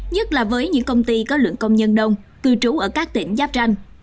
nhất là với những công ty có lượng công nhân đông cư trú ở các tỉnh giáp tranh